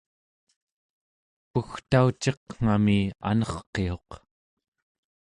pugtauciqngami anerqiuq